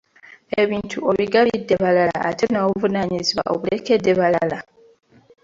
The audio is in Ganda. Ebintu obigabidde balala ate n'obuvunaanyizibwa obulekedde balala?